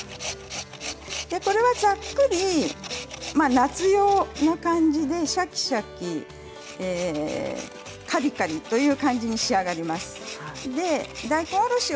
これは、ざっくり夏用の感じでシャキシャキカリカリという感じに仕上がります。